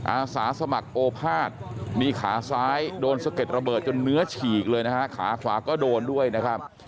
อาสาสมัครโอภาษย์มีขาซ้ายโดนสะเก็ดระเบิดจนเนื้อฉีกเลยนะฮะขาขวาก็โดนด้วยนะครับ